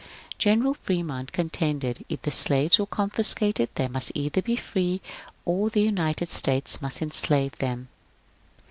General Fremont contended that if the slaves were confiscated they must either be free or the United States must enslave them.